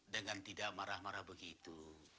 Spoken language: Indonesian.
dengan tidak marah marah begitu